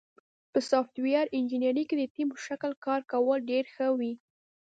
په سافټویر انجینری کې د ټیم په شکل کار کول ډېر ښه وي.